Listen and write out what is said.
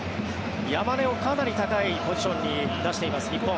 山根をかなり高いポジションに出しています、日本。